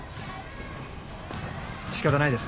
しかたないです。